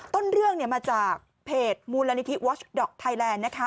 ต้นเรื่องมาจากเพจมูลนิธิวอชดอกไทยแลนด์นะคะ